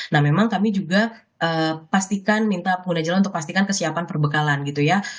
nah memang kami juga pastikan minta pengguna jalan untuk pastikan kesiapan perbekalan gitu ya